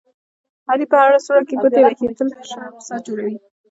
علي په هره سوړه کې ګوتې وهي، تل شر او فساد جوړوي.